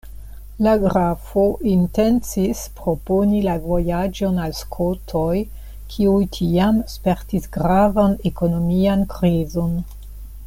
La grafo intencis proponi la vojaĝon al Skotoj, kiuj tiam spertis gravan ekonomian krizon.